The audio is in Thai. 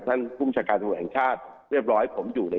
ท่านภูมิชาการสมบัติแห่งชาติเรียบร้อย